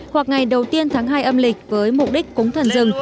hoặc ngày đầu tiên tháng hai âm lịch với mục đích cúng thần rừng